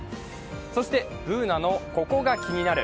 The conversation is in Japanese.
そしてＢｏｏｎａの「ココがキニナル」。